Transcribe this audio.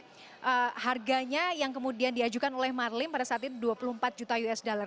jadi harganya yang kemudian diajukan oleh marlim pada saat itu dua puluh empat juta usd